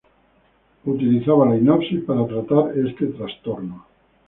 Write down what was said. Utilizaba la hipnosis para tratar este trastorno.